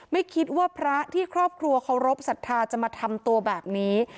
ไม่คิดว่าพระที่ครอบครัวเคารพสัทธาจะมาทำตัวแบบนี้